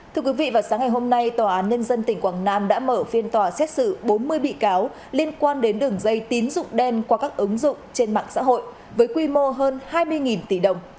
thưa quý vị vào sáng ngày hôm nay tòa án nhân dân tỉnh quảng nam đã mở phiên tòa xét xử bốn mươi bị cáo liên quan đến đường dây tín dụng đen qua các ứng dụng trên mạng xã hội với quy mô hơn hai mươi tỷ đồng